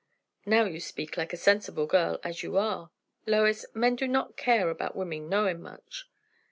"Now you speak like a sensible girl, as you are. Lois, men do not care about women knowing much."